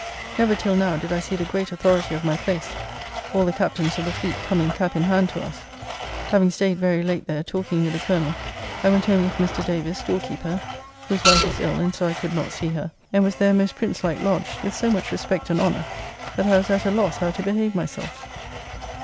Never till now did I see the great authority of my place, all the captains of the fleet coming cap in hand to us. Having staid very late there talking with the Colonel, I went home with Mr. Davis, storekeeper (whose wife is ill and so I could not see her), and was there most prince like lodged, with so much respect and honour that I was at a loss how to behave myself.